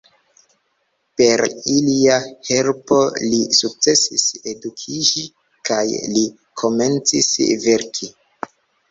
Per ilia helpo li sukcesis edukiĝi, kaj li komencis verki.